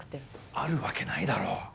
あるわけないだろ。